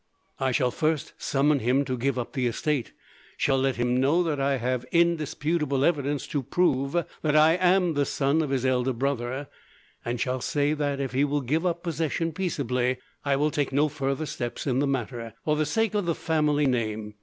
"I shall first summon him to give up the estate, shall let him know that I have indisputable evidence to prove that I am the son of his elder brother, and shall say that, if he will give up possession peaceably, I will take no further steps in the matter, for the sake of the family name.